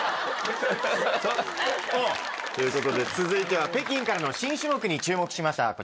続いては「北京」からの新種目に注目しました。